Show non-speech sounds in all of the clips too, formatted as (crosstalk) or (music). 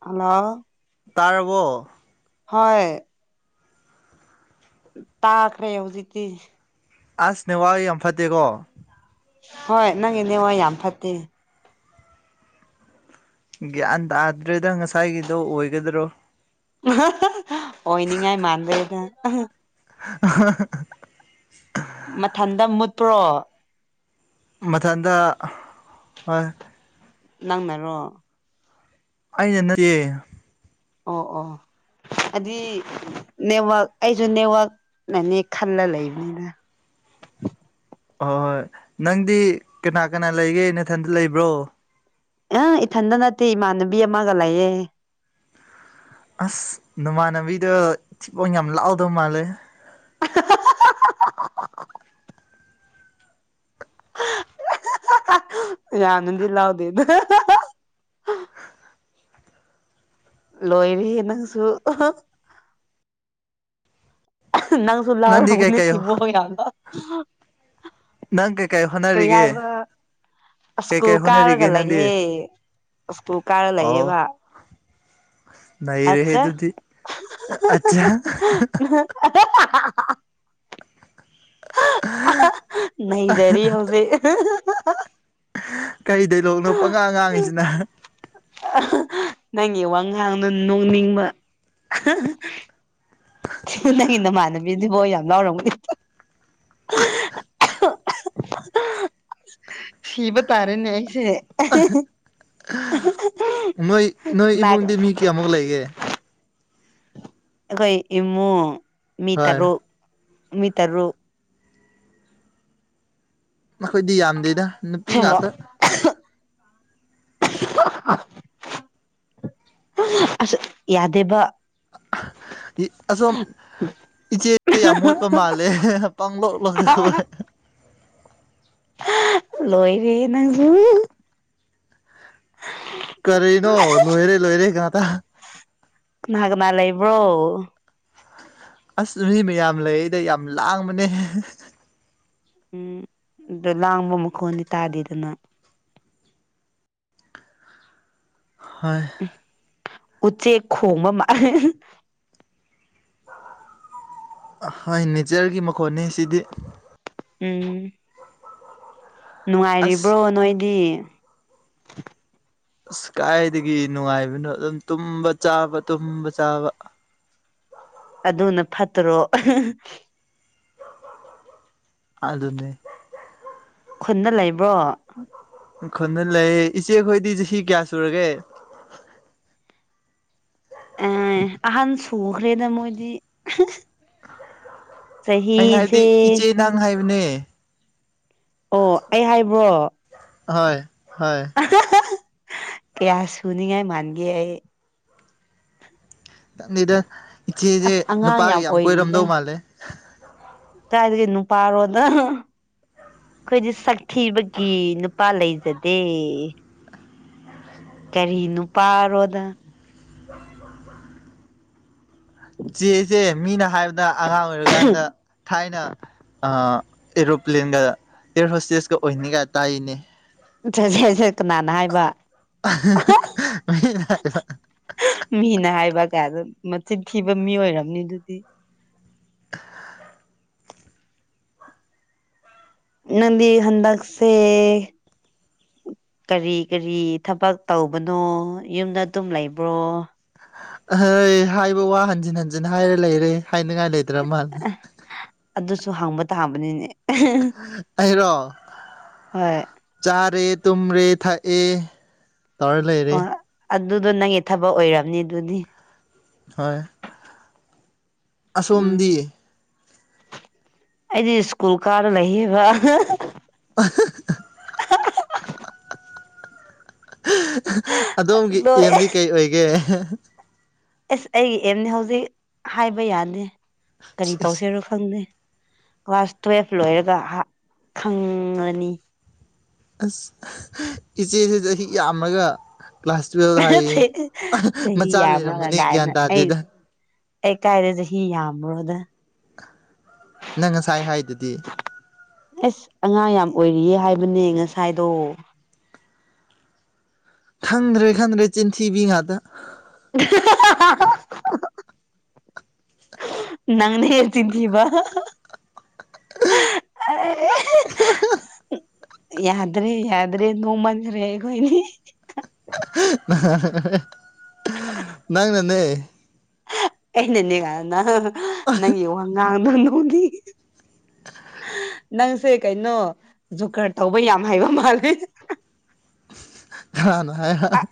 Hello ꯇꯥꯔꯕꯣ ꯍꯣꯏ ꯇꯥꯈ꯭ꯔꯦ ꯍꯧꯖꯤꯛꯇꯤ ꯑꯁ ꯅꯦꯠꯋꯥꯛ ꯌꯥꯝ ꯐꯠꯇꯦꯀꯣ ꯍꯣꯏ ꯅꯪꯒꯤ ꯅꯦꯠꯋꯥꯛ ꯌꯥꯝ ꯐꯠꯇꯦ ꯒ꯭ꯌꯥꯟ ꯇꯥꯗ꯭ꯔꯦꯗ ꯉꯁꯥꯏꯒꯤꯗꯣ ꯑꯣꯏꯒꯗ꯭ꯔꯣ ꯑꯣꯏꯅꯤꯡꯉꯥꯏ ꯃꯥꯟꯗꯦꯗꯥ (unintelligible) ꯃꯊꯟꯇ ꯃꯨꯠꯄ꯭ꯔꯣ ꯃꯊꯟꯗ ꯍꯣꯏ ꯅꯪꯅꯔꯣ ꯑꯩꯅꯥ ꯅꯠꯇꯤꯌꯦ ꯑꯣ ꯑꯣ ꯑꯗꯨꯏ ꯅꯦꯠꯋꯥꯛ ꯑꯩꯁꯨ ꯅꯦꯠꯋꯥꯛꯅꯅꯦ ꯈꯜꯂ ꯂꯩꯕꯅꯤꯗ ꯍꯣꯏ ꯍꯣꯏ ꯅꯪꯗꯤ ꯀꯅꯥ ꯀꯅꯥ ꯂꯩꯒꯦ ꯅꯊꯟꯗ ꯂꯩꯕ꯭ꯔꯣ ꯑ ꯏꯊꯟꯇ ꯅꯠꯇꯦ ꯏꯃꯥꯟꯅꯕꯤ ꯑꯃꯒ ꯂꯩꯌꯦ ꯑꯁ ꯅꯃꯥꯟꯅꯕꯤꯗꯣ ꯊꯤꯕꯣꯡ ꯌꯥꯝ ꯂꯥꯎꯗꯧ ꯃꯥꯜꯂꯦ (unintelligible) ꯌꯦꯝꯅꯗꯤ ꯂꯥꯎꯗꯦꯗ ꯂꯣꯏꯔꯦ ꯍꯦꯅꯪꯁꯨ ꯅꯪꯁꯨ ꯅꯪꯗꯤ ꯂꯥꯎꯔꯝ ꯒꯅꯤ ꯀꯩꯀꯩ ꯊꯤꯕꯣꯡ ꯌꯥꯝꯅ ꯅꯪ ꯀꯩ ꯀꯩ ꯍꯣꯠꯅꯔꯤꯒꯦ ꯑꯁꯀꯨꯜ ꯀꯩꯀꯩ ꯍꯣꯠꯅꯔꯤꯒꯦ ꯀꯥꯔꯒ ꯅꯪꯗꯤ ꯂꯩꯌꯦ ꯑꯁꯀꯨꯜ ꯀꯥꯔ ꯑꯣ ꯂꯩꯌꯦꯕ ꯅꯩꯔꯦꯍꯦ ꯑꯆꯥ ꯑꯗꯨꯗꯤ ꯑꯠꯆꯥ (unintelligible) ꯅꯩꯖꯔꯤ ꯍꯧꯖꯤꯛ ꯀꯔꯤꯗꯂꯣꯅꯣ ꯄꯉꯥꯡ ꯉꯥꯡꯉꯤꯁꯤꯅ ꯅꯪꯒꯤ ꯋꯥ ꯉꯥꯡꯅ ꯅꯣꯛꯅꯤꯡꯕ ꯅꯪꯒꯤ ꯅꯃꯥꯟꯅꯕ ꯕꯤꯗꯤꯕꯣ ꯌꯥꯝ ꯂꯥꯎꯔꯝꯒꯅꯤ ꯁꯤꯕ ꯇꯥꯔꯦꯅꯦ ꯑꯩꯁꯦ ꯅꯣꯏ ꯅꯣꯏ ꯀꯅꯥ ꯏꯃꯨꯡꯗꯤ ꯃꯤ ꯀꯌꯥꯃꯨꯛ ꯂꯩꯒꯦ ꯑꯈꯣꯏ ꯏꯃꯨꯡ ꯃꯤ ꯍꯣꯏ ꯇꯔꯨꯛ ꯃꯤ ꯇꯔꯨꯛ ꯑꯈꯣꯏꯗꯤ ꯌꯥꯝꯗꯦꯗ ꯅꯨꯄꯤ ꯁꯦꯡꯕ ꯉꯥꯛꯇ ꯑꯁ ꯌꯥꯗꯦꯕ ꯑꯁꯣꯝ ꯏꯆꯦꯁꯦ ꯌꯥꯝ ꯃꯣꯠꯄ ꯃꯥꯜꯂꯦ ꯄꯥꯡꯂꯣꯛꯂꯇ (unintelligible) ꯂꯣꯏꯔꯦꯍꯦ ꯅꯪꯖꯨ ꯀꯔꯤꯅꯣ ꯂꯣꯏꯔꯦ ꯂꯣꯏꯔꯦ ꯉꯥꯛꯇꯥ ꯀꯅꯥ ꯀꯅꯥ ꯂꯩꯕ꯭ꯔꯣ ꯑꯁ ꯃꯤ ꯃꯌꯥꯝ ꯂꯩꯌꯦꯗ ꯌꯥꯝ ꯂꯥꯡꯕꯅꯦ ꯎꯝ ꯑꯗ ꯂꯥꯡꯕ ꯃꯈꯣꯟꯗꯤ ꯇꯥꯗꯦꯗꯅ ꯍꯣꯏ ꯎꯆꯦꯛ ꯈꯣꯡꯕ ꯃꯥꯜꯂꯦ ꯍꯥꯏ ꯅꯦꯆꯔꯒꯤ ꯃꯈꯣꯟꯅꯦ ꯁꯤꯗꯤ ꯎꯝ ꯑꯁ ꯅꯨꯡꯉꯥꯏꯔꯤꯕ꯭ꯔꯣ ꯅꯣꯏꯗꯤ ꯑꯁ ꯀꯥꯏꯗꯒꯤ ꯅꯨꯡꯉꯥꯏꯕꯅꯣ ꯑꯗꯨꯝ ꯇꯨꯝꯕ ꯆꯥꯕ ꯇꯨꯝꯕ ꯆꯥꯕ ꯑꯗꯨꯅ ꯐꯠꯇ꯭ꯔꯣ ꯑꯥꯍ ꯍ ꯑꯗꯨꯅꯦ ꯈꯨꯟꯗ ꯂꯩꯕ꯭ꯔꯣ ꯈꯨꯟꯗ ꯂꯩ ꯏꯆꯦꯈꯣꯏꯗꯤ ꯆꯍꯤ ꯀꯌꯥ ꯁꯨꯔꯒꯦ ꯑꯦ ꯑꯍꯟ ꯁꯨꯈ꯭ꯔꯦꯗ ꯃꯣꯏꯗꯤ ꯑꯩꯅ ꯍꯥꯏꯗꯤ ꯆꯍꯤꯁꯦ ꯏꯆꯦ ꯅꯪ ꯍꯥꯏꯕꯅꯦ ꯑꯣ ꯑꯩ ꯍꯥꯏꯕ꯭ꯔꯣ ꯍꯣꯏ ꯍꯣꯏ (unintelligible) ꯀꯌꯥ ꯁꯨꯅꯤꯉꯥꯏ ꯃꯥꯟꯒꯦ ꯑꯩ ꯇꯟꯅꯤꯗ ꯏꯆꯦꯁꯦ ꯑꯁ ꯑꯉꯥꯡ ꯅꯨꯄꯥꯒ ꯌꯥꯝ ꯑꯣꯏꯔꯤꯗ ꯀꯣꯏꯔꯝꯗꯧ ꯃꯥꯜꯂꯦ ꯀꯥꯏꯗꯒꯤ ꯅꯨꯄꯥꯔꯣꯗ ꯑꯈꯣꯏꯗꯤ ꯁꯛ ꯊꯤꯕꯒꯤ ꯅꯨꯄꯥ ꯂꯩꯖꯗꯦ ꯀꯔꯤ ꯅꯨꯄꯥꯔꯣꯗ ꯆꯦꯁꯦ ꯃꯤꯅ ꯍꯥꯏꯕꯗ ꯑꯉꯥꯡ ꯑꯣꯏꯔꯀꯥꯟꯗ ꯊꯥꯏꯅ ꯑ ꯑꯦꯔꯣꯄ꯭ꯂꯦꯟꯒ ꯑꯦꯌ꯭ꯔ ꯍꯣꯁꯇꯦꯁꯀ ꯑꯣꯏꯅꯤꯒꯥꯏ ꯇꯥꯏꯅꯦ (unintelligible) ꯀꯅꯥꯅ ꯍꯥꯏꯕ (unintelligible) ꯃꯤꯅ ꯍꯥꯏꯕ ꯃꯤꯅ ꯍꯥꯏꯕ ꯀꯥꯏꯅ ꯃꯆꯤꯟ ꯊꯤꯕ ꯃꯤ ꯑꯣꯏꯔꯝꯅꯤꯗꯨꯗꯤ ꯅꯪꯗꯤ ꯍꯟꯗꯛꯁꯦ ꯀꯔꯤ ꯀꯔꯤ ꯊꯕꯛ ꯇꯧꯕꯅꯣ ꯌꯨꯝꯗ ꯑꯗꯨꯝ ꯂꯩꯕ꯭ꯔꯣ ꯑꯍꯩ ꯍꯥꯏꯕ ꯋꯥ ꯍꯟꯖꯤꯟ ꯍꯟꯖꯤꯟ ꯍꯥꯏꯔ ꯂꯩꯔꯦ ꯍꯥꯏꯅꯤꯡꯉꯥꯏ ꯂꯩꯗ꯭ꯔ ꯃꯥꯜꯂꯦ꯫ ꯑꯗꯨꯁꯨ ꯍꯪꯕ ꯇꯥꯕꯅꯤꯅꯦ꯫ ꯑꯩꯔꯣ ꯍꯣꯏ ꯆꯥꯔꯦ ꯇꯨꯝꯔꯦ ꯊꯛꯑꯦ꯫ ꯇꯧꯔ ꯂꯩꯔꯦ ꯑꯣ ꯑꯗꯨꯗꯣ ꯅꯪꯒꯤ ꯊꯕꯛ ꯑꯣꯏꯔꯝꯅꯤ ꯑꯗꯨꯗꯤ ꯍꯣꯏ ꯎꯝ ꯑꯁꯣꯝꯗꯤ ꯑꯩꯗꯤ ꯁ꯭ꯀꯨꯜ ꯀꯥꯔ ꯂꯩꯌꯦꯕ ꯑꯍ ꯍ꯫ ꯑꯍ (unintelligible) (unintelligible) ꯑꯗꯣꯝꯒꯤ ꯂꯣꯏ ꯑꯦꯝꯗꯤ ꯀꯩ ꯑꯣꯏꯒꯦ꯫ ꯑꯁ ꯑꯩꯒꯤ ꯑꯦꯝꯗꯤ ꯍꯧꯖꯤꯛ ꯍꯥꯏꯕ ꯌꯥꯗꯦ ꯀꯔꯤ ꯇꯧꯁꯤꯔꯣ ꯈꯪꯗꯦ ꯀ꯭ꯂꯥꯁ ꯇꯨꯋꯦꯜꯐ ꯂꯣꯏꯔꯒ ꯈꯪꯪꯉꯅꯤ꯫ ꯑꯁ (unintelligible) ꯏꯆꯦꯁꯤ ꯆꯍꯤ ꯌꯥꯝꯃꯒ꯫ ꯀ꯭ꯂꯥꯁ ꯇꯨꯌꯦꯜꯕ ꯍꯥꯏꯌꯦ ꯆꯍꯤ ꯃꯆꯥ ꯌꯥꯝꯔꯒ ꯂꯩꯔꯝꯃꯅꯤ ꯒ꯭ꯌꯥꯟ ꯀꯥꯏꯅ ꯑꯩ ꯇꯥꯗꯦꯗ꯫ ꯑꯩ ꯀꯥꯏꯗ ꯆꯍꯤ ꯌꯥꯝꯕ꯭ꯔꯣꯗ ꯅꯪ ꯉꯁꯥꯏ ꯍꯥꯏꯗꯨꯗꯤ꯫ ꯑꯁ ꯑꯉꯥꯡ ꯌꯥꯝ ꯑꯣꯏꯔꯤꯌꯦ ꯍꯥꯏꯕꯅꯦ ꯉꯁꯥꯏꯗꯣ꯫ ꯈꯪꯗ꯭ꯔꯦ ꯈꯪꯗ꯭ꯔꯦ ꯆꯤꯟꯊꯤꯕꯤ ꯉꯥꯛꯇ꯫ (unintelligible) ꯅꯪꯅꯦ ꯆꯤꯟꯊꯤꯕ (unintelligible) ꯑꯦ (unintelligible) ꯌꯥꯗ꯭ꯔꯦ ꯌꯥꯗ꯭ꯔꯦ ꯅꯣꯛꯃꯟꯈ꯭ꯔꯦ ꯑꯩꯈꯣꯏꯅꯤ꯫ (unintelligible) ꯅꯪꯅꯅꯦ ꯑꯩꯅꯅꯦ ꯀꯥꯏꯅ (unintelligible) ꯅꯪꯒꯤ ꯋꯉꯥꯡꯗꯨ ꯅꯣꯛꯅꯤꯡꯉꯦ꯫꯫ ꯅꯪꯁꯦ ꯀꯩꯅꯣ ꯖꯨꯀꯔ ꯇꯧꯕ ꯌꯥꯝ ꯍꯩꯕ ꯃꯥꯂꯦ꯫ ꯀꯅꯥꯅ ꯍꯥꯏꯕ (unintelligible)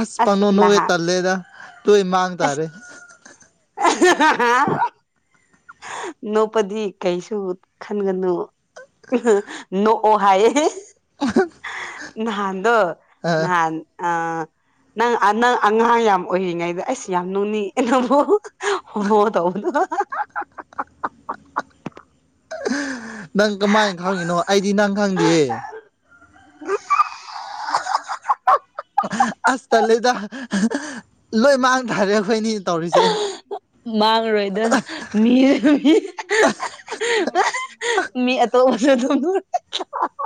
ꯑꯁ ꯄꯪꯅꯣꯛ ꯅꯣꯛꯑꯦ ꯇꯜꯂꯦꯗ ꯂꯣꯏ ꯃꯥꯡ ꯑꯁ ꯇꯥꯔꯦ꯫ (unintelligible) ꯅꯣꯛꯄꯗꯤ ꯀꯩꯁꯨ ꯈꯟꯒꯅꯨ ꯅꯣꯛꯑꯣ ꯍꯥꯏꯌꯦ ꯅꯍꯥꯟꯗꯣ ꯑ ꯅꯍꯥꯟ ꯑ ꯅꯪ ꯅꯪ ꯑꯉꯥꯡ ꯌꯥꯝ ꯑꯣꯏꯔꯤꯉꯩꯗ ꯑꯩꯁ ꯌꯥꯝ ꯅꯣꯛꯅꯤꯡ (unintelligible) ꯍꯣꯃꯣ ꯇꯧꯕꯗꯣ ꯅꯪ ꯀꯃꯥꯏꯅ ꯈꯪꯉꯤꯅꯣ ꯑꯩꯗꯤ ꯅꯪ ꯈꯪꯗꯦꯌꯦ ꯑꯁ ꯇꯜꯂꯦꯗ ꯂꯣꯏ ꯃꯥꯡ ꯇꯥꯔꯦ ꯑꯩꯈꯣꯏꯅꯤ ꯇꯧꯔꯤꯁꯦ ꯃꯥꯡꯔꯣꯏꯗ ꯃꯤ ꯃꯤ (unintelligible) (unintelligible) ꯃꯤ ꯑꯇꯣꯞꯄꯁꯨ (unintelligible)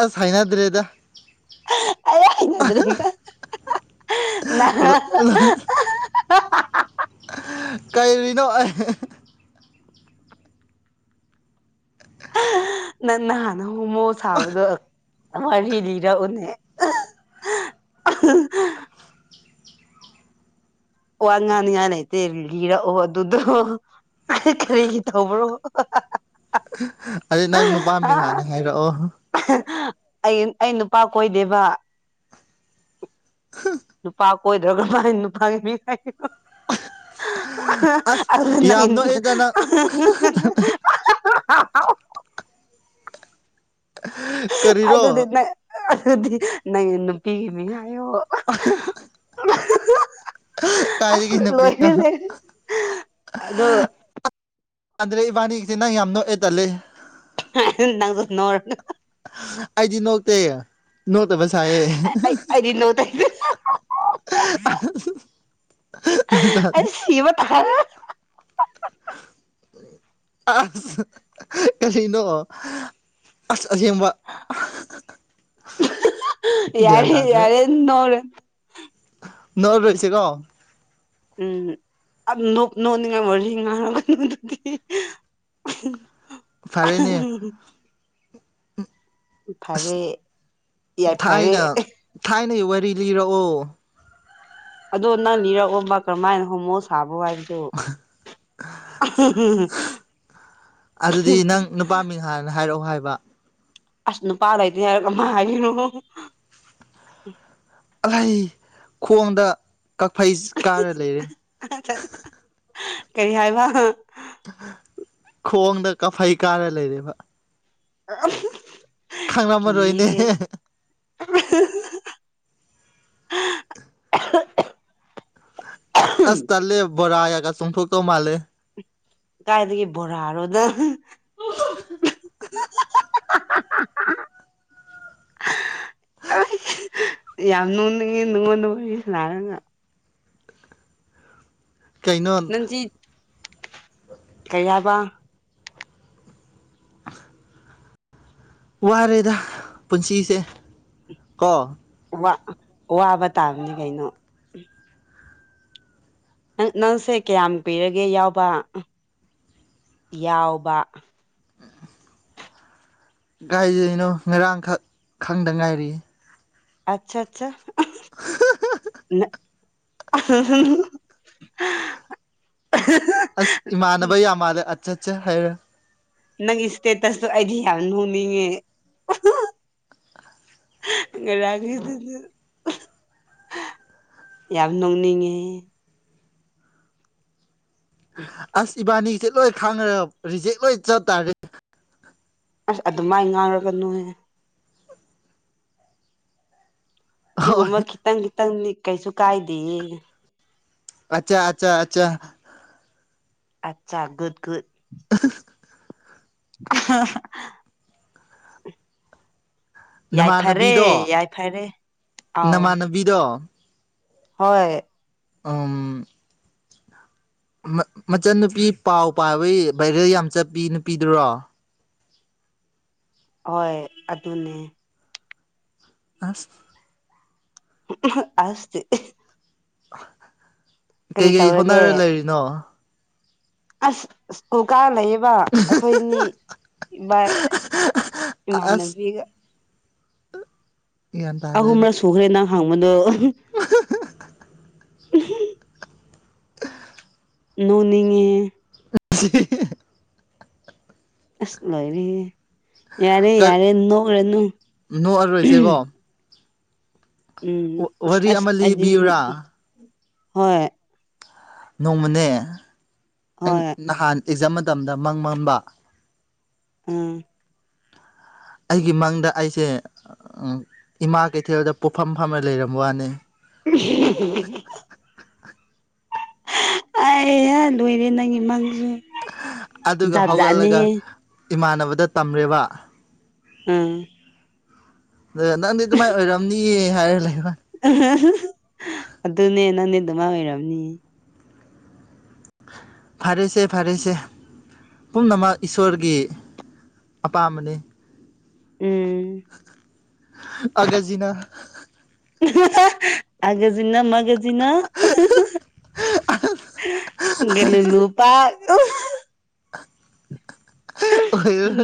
ꯑꯁ ꯍꯩꯅꯗ꯭ꯔꯦꯗ (unintelligible) ꯅꯍꯥꯟ (unintelligible) (unintelligible) ꯀꯩꯔꯤꯅꯣ (unintelligible) ꯅꯪꯅ ꯍꯟꯅꯥ ꯍꯨꯃꯣ ꯁꯥꯕꯗꯣ ꯋꯥꯔꯤ ꯂꯤꯔꯛꯎꯅꯦ (unintelligible) ꯋꯥ ꯉꯥꯡꯅꯤꯡꯉꯥꯏ ꯂꯩꯇꯦ ꯂꯤꯔꯛꯑꯣ ꯑꯗꯨꯗꯣ (unintelligible) ꯀꯔꯤꯒꯤ ꯇꯧꯕ꯭ꯔꯣ (unintelligible) ꯑꯗꯣ ꯅꯪ ꯅꯨꯄꯥ ꯃꯤꯡ ꯍꯥꯅꯥ ꯍꯥꯏꯔꯛꯑꯣ (unintelligible) ꯑꯩ ꯑꯩ ꯅꯨꯄꯥ ꯀꯣꯏꯗꯦꯕ ꯅꯨꯄꯥ ꯀꯣꯏꯗ꯭ꯔꯒ ꯀꯃꯥꯏ ꯅꯨꯄꯥꯒꯤ ꯃꯤꯡ (unintelligible) ꯑꯁ ꯌꯥꯝ ꯅꯣꯛꯑꯦꯗ (unintelligible) ꯅꯪ (unintelligible) ꯀꯔꯤꯔꯣ ꯑꯗꯨꯗꯤ ꯅꯪ ꯑꯗꯨꯗꯤ ꯅꯪꯒꯤ ꯅꯨꯄꯤꯒꯤ ꯃꯤꯡ ꯍꯥꯏꯌꯣ꯫ (unintelligible) (unintelligible) ꯑꯁ ꯀꯥꯏꯗꯒꯤ ꯅꯨꯄꯤꯅꯣ ꯂꯣꯏꯅꯦ ꯑꯗꯣ, ꯌꯥꯗ꯭ꯔꯦ ꯏꯕꯥꯅꯤꯒꯤꯁꯦ ꯅꯪ ꯌꯥꯝ ꯅꯣꯛꯑꯦ ꯇꯜꯂꯦ꯫ ꯅꯪꯁꯨ ꯅꯣꯔꯗ (unintelligible) ꯑꯩꯗꯤ ꯅꯣꯛꯇꯦ ꯅꯣꯛꯇꯕ ꯁꯥꯏꯌꯦ꯫ ꯑꯩ ꯑꯩꯗꯤ ꯅꯣꯛꯇꯦ꯫ ꯑꯩ ꯁꯤꯕ ꯇꯥꯔꯦ꯫ ꯑꯁ ꯀꯔꯤꯅꯣ ꯑꯁ ꯑꯁꯦꯡꯕ꯫ ꯒ꯭ꯌꯥꯟ ꯌꯥꯔꯦ ꯇꯥꯗ꯭ꯔꯦ ꯌꯥꯔꯦ ꯅꯣꯛꯔꯣꯏ꯫ ꯅꯣꯛꯔꯣꯏꯁꯦ ꯀꯣ꯫ ꯎꯝ ꯅꯣꯛꯅꯤꯡꯉꯥꯏ ꯋꯥꯔꯤ ꯉꯥꯡꯔꯛꯒꯅꯨ ꯗꯨꯗꯤ꯫ ꯐꯔꯦꯅꯦ (unintelligible) ꯐꯔꯦ ꯌꯥꯏ ꯐꯔꯦ꯫ ꯊꯥꯏꯅꯩ ꯋꯥꯔꯤ ꯂꯤꯔꯛꯑꯣ꯫ ꯑꯗꯣ ꯅꯪ ꯂꯤꯔꯛꯑꯣꯕ ꯀꯔꯝꯃꯥꯏꯅ ꯍꯣꯃꯣ ꯁꯥꯕ꯭ꯔꯣ ꯍꯥꯏꯕ ꯑꯗꯨꯗꯤ ꯅꯪ (unintelligible) ꯅꯨꯄꯥ ꯃꯤꯡ ꯍꯥꯟꯅ ꯍꯥꯏꯔꯛꯑꯣ ꯍꯥꯏꯕ꯫ ꯑꯁ ꯅꯨꯄꯥ ꯂꯩꯇꯦ ꯍꯥꯏꯔꯒ ꯀꯃꯥꯏ ꯍꯥꯏꯅꯣ ꯑꯜꯂꯩ ꯈꯣꯡꯗ ꯀꯛꯐꯩ ꯀꯥꯔ ꯂꯩꯔꯦ꯫ ꯀꯩ ꯍꯥꯏꯕ? ꯈꯣꯡꯗ ꯀꯐꯩ ꯀꯥꯔ ꯂꯩꯔꯦꯕ꯫ (unintelligible) ꯈꯪꯂꯝꯃꯔꯣꯏꯅꯦ꯫ ꯀꯤꯌꯦ ꯑꯁ ꯇꯜꯂꯦ ꯕꯣꯔꯥꯒꯒ ꯆꯣꯡꯊꯣꯛꯀꯧ ꯃꯥꯜꯂꯦ꯫ ꯀꯥꯏꯗꯒꯤ ꯕꯣꯔꯥꯔꯣꯗ꯫ (inaudible) ꯌꯥꯝ ꯅꯣꯡꯅꯤꯡꯉꯤ ꯉꯣꯟꯗ ꯋꯥꯔꯤ ꯁꯥꯟꯅꯔꯒ꯫ ꯀꯩꯅꯣ ꯅꯟꯖꯤꯠ ꯀꯩ ꯍꯥꯏꯕ? ꯋꯥꯔꯦꯗ ꯄꯨꯟꯁꯤꯁꯦ ꯀꯣ? ꯋꯥ ꯋꯥꯕ ꯇꯥꯕꯅꯤ ꯀꯩꯅꯣ꯫ ꯅꯪ ꯅꯪꯁꯦ ꯀꯌꯥꯝ ꯀꯨꯏꯔꯒꯦ ꯌꯥꯎꯕ ꯌꯥꯎꯕ? ꯀꯥꯏꯗꯩꯅꯣ ꯉꯔꯥꯡ ꯈꯛ ꯈꯪꯗ ꯉꯥꯏꯔꯤ꯫ ꯑꯆꯥ ꯑꯆꯥ (unintelligible) ꯅ (unintelligible) ꯑꯁ ꯏꯃꯥꯟꯅꯕ ꯌꯥꯝ ꯃꯥꯜꯂꯦ ꯑꯠꯆꯥ ꯆꯥ ꯍꯥꯏꯔ꯫ ꯅꯪꯒꯤ ꯏꯁꯇꯦꯇꯁꯇꯣ ꯑꯩꯗꯤ ꯌꯥꯝ ꯅꯣꯅꯤꯡꯉꯦ꯫ ꯉꯔꯥꯡꯒꯤꯗꯨꯗꯤ꯫ ꯌꯥꯝ ꯅꯣꯛꯅꯤꯡꯉꯦ꯫ ꯑꯁ ꯏꯕꯥꯅꯤꯒꯤꯁꯦ ꯂꯣꯏ ꯈꯥꯡꯔꯒ ꯔꯤꯖꯦꯛ ꯂꯣꯏ ꯆꯠꯇꯥꯥꯔꯦ꯫ ꯑꯁ ꯑꯗꯨꯃꯥꯏꯅ ꯉꯥꯡꯔꯛꯒꯅꯨꯍꯦ꯫ ꯍꯣꯏ ꯑꯗꯨꯒꯨꯝꯕ ꯈꯤꯇꯪ ꯈꯤꯇꯪꯗꯤ ꯀꯩꯁꯨ ꯀꯥꯏꯗꯦꯌꯦ꯫ ꯑꯆꯥ ꯑꯆꯥ ꯑꯆꯥ꯫ ꯑꯠꯆꯥ ꯒꯨꯠ ꯒꯨꯠ ꯌꯥꯏꯐꯔꯦ ꯅꯃꯥꯟꯅꯕꯤꯗꯣ ꯌꯥꯏꯐꯔꯦ ꯑꯥꯎ ꯅꯃꯥꯟꯅꯕꯤꯗꯣ ꯍꯣꯏ ꯎꯝ ꯃꯆꯟꯅꯨꯄꯤ ꯄꯥꯎ ꯄꯥꯕꯩ ꯚꯥꯏꯔꯦꯜ ꯌꯥꯝ ꯆꯠꯄꯤ ꯅꯨꯄꯤꯗꯨꯔꯣ ꯍꯣꯏ ꯑꯗꯨꯅꯦ ꯑꯁ ꯑꯁ ꯇꯤ ꯀꯔꯤ ꯀꯩꯀꯩ ꯇꯧꯔꯒꯦ ꯍꯣꯠꯅꯔ ꯂꯩꯔꯤꯅꯣ ꯑꯁ ꯁ꯭ꯀꯨꯜ ꯀꯥꯔ ꯂꯩꯌꯦꯕ ꯑꯩꯈꯣꯏꯅꯤ ꯚꯥꯏ ꯑꯁ ꯏꯃꯥꯟꯅꯕꯤꯒ ꯒ꯭ꯌꯥꯟ ꯇꯥꯗ꯭ꯔꯦꯗ ꯑꯍꯨꯝꯔꯛ ꯁꯨꯈ꯭ꯔꯦ ꯅꯪ ꯍꯡꯕꯗꯣ (unintelligible) ꯅꯣꯛꯅꯤꯡꯉꯤꯍꯦ (unintelligible) ꯑꯁ ꯂꯣꯏꯔꯦ ꯌꯥꯔꯦ ꯌꯥꯔꯦ ꯅꯣꯛꯔꯅꯨ ꯅꯣꯛꯑꯔꯣꯏꯁꯦꯀꯣ ꯎꯝ ꯋꯥꯔꯤ ꯑꯁ ꯑꯃ ꯑꯩꯗꯤ ꯂꯤꯕꯤꯌꯨꯔꯥ ꯍꯣꯏ ꯅꯣꯡꯃꯅꯦ ꯑꯩ ꯍꯣꯏ ꯅꯍꯥꯟ ꯑꯦꯛꯖꯥꯝ ꯃꯇꯝꯗ ꯃꯪ ꯃꯡꯕ ꯎꯝ ꯑꯩꯒꯤ ꯃꯪꯗ ꯑꯩꯁꯦ ꯏꯃꯥ ꯀꯩꯊꯦꯜꯗ ꯄꯣꯛꯐꯝ ꯐꯝꯔꯂꯩꯔꯝꯕ ꯋꯥꯅꯤ (unintelligible) ꯑꯩ ꯍꯥ ꯂꯣꯏꯔꯦ ꯅꯪꯒꯤ ꯃꯡꯁꯨ ꯑꯗꯨꯒ ꯍꯧꯒꯠꯂꯒ ꯏꯃꯥꯟꯅꯕꯗ ꯇꯝꯔꯦꯕ ꯎꯝ ꯅꯪꯗꯤ ꯑꯗꯨꯃꯥꯏꯅ ꯑꯣꯏꯔꯝꯅꯤꯌꯦ ꯍꯥꯏꯔ ꯂꯩꯕ ꯑꯗꯨꯅꯦ ꯅꯪꯗꯤ ꯑꯗꯨꯃꯥꯏ ꯑꯣꯏꯔꯝꯅꯤ ꯐꯔꯦꯁꯦ ꯐꯔꯦꯁꯦ ꯄꯨꯝꯅꯃꯛ ꯏꯁꯣꯔꯒꯤ ꯑꯄꯥꯝꯕꯅꯤ ꯎꯝ ꯑꯒꯖꯤꯅ ꯑꯒꯖꯤꯅ ꯃꯥꯛ (unintelligible)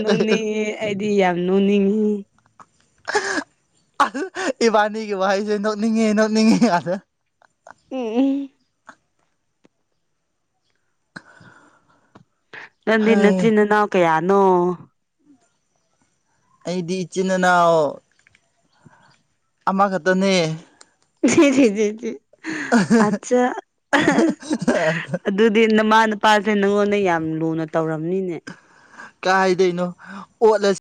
ꯅꯣꯛꯅꯤꯡꯉꯦ ꯑꯩꯗꯤ ꯌꯥꯝ ꯅꯣꯅꯤꯛꯉꯦ ꯑ ꯏꯕꯥꯅꯤꯒꯤ ꯋꯥꯍꯩꯁꯦ ꯅꯣꯛꯅꯤꯡꯉꯤ ꯅꯣꯛꯅꯤꯡꯉꯤ ꯑꯗ ꯎꯝ ꯎꯝ ꯅꯪꯗꯤ ꯅꯆꯤꯟ ꯑꯩꯗꯤ ꯅꯅꯥꯎ ꯀꯌꯥꯅꯣ ꯑꯩꯗꯤ ꯏꯆꯤꯟ ꯏꯅꯥꯎ ꯑꯃꯈꯛꯇꯅꯦ ꯑꯆꯥ ꯑꯗꯨꯗꯤ ꯅꯃꯥ ꯅꯨꯄꯥꯁꯦ ꯅꯪꯉꯣꯟꯗ ꯌꯥꯝ ꯂꯨꯅ ꯇꯧꯔꯝꯅꯤꯅꯦ ꯀꯥꯥꯏꯗꯩꯅꯣ ꯑꯣꯠꯂꯁꯤ